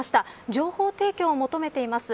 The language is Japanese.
情報提供を求めています。